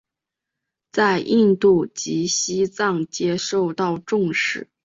在印度及西藏皆受到重视。